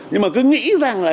nhưng mà cứ nghĩ rằng là